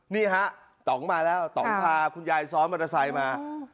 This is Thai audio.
นี่ฮะต่องมาแล้วต่องพาคุณยายซ้อนมอเตอร์ไซค์มา